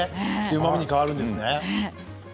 うまみに変わるんですね。